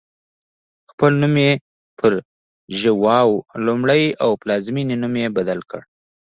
خپل نوم یې پر ژواو لومړی او پلازمېنې نوم یې بدل کړ.